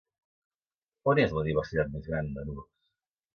On és la diversitat més gran d'anurs?